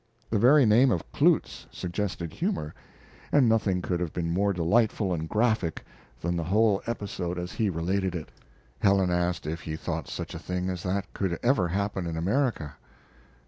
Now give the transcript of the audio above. The very name of Cloots suggested humor, and nothing could have been more delightful and graphic than the whole episode as he related it. Helen asked if he thought such a thing as that could ever happen in America.